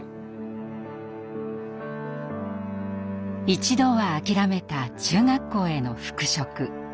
一度は諦めた中学校への復職。